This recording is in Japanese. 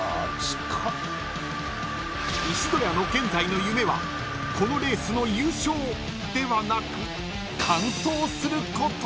［石戸谷の現在の夢はこのレースの優勝ではなく完走すること！］